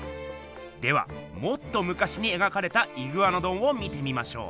ではもっとむかしに描かれたイグアノドンを見てみましょう。